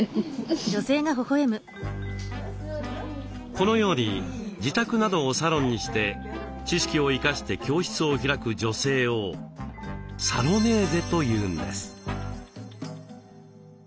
このように自宅などをサロンにして知識を生かして教室を開く女性を「サロネーゼ」というんです。